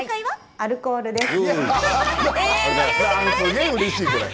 アルコールです。